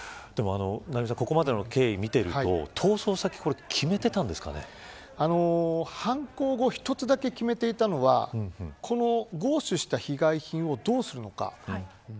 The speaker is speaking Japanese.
ここまでの経緯を見ると犯行後に一つだけ決めていたのは強奪した被害品をどうするのか。